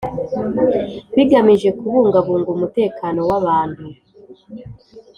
bigamije kubungabunga umutekano w abantu